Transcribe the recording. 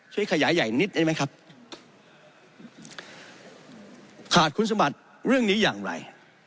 ขยายใหญ่นิดได้ไหมครับขาดคุณสมบัติเรื่องนี้อย่างไร